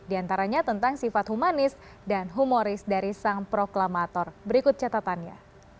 di antaranya tentang sifat humanis dan humoris dari sang proklamator berikut catatannya